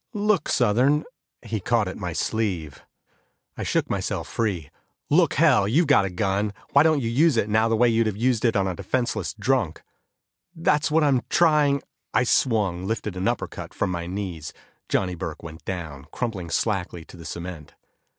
"Look, Southern " He caught at my sleeve. I shook myself free. "Look, hell! You've got a gun; why don't you use it now the way you'd have used it on a defenseless drunk!" "That's what I'm trying " I swung, lifted an uppercut from my knees. Johnny Burke went down, crumpling slackly to the cement.